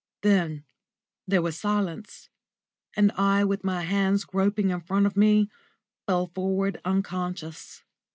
Then there was silence, and I, with my hands groping in front of me, fell forward unconscious.